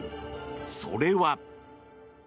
それは。